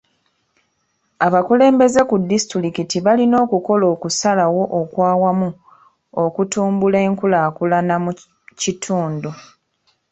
Abakulembeze ku disitulikiti balina okukola okusalawo okw'awamu okutumbula enkulaakulana mu kitundu.